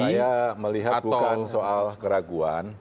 saya melihat bukan soal keraguan